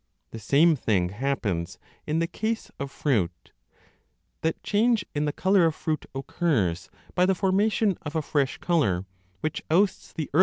The same thing happens in the case of fruit. That change in the colour of fruit occurs by the formation of a fresh colour, which ousts the earlier one, can easily 7?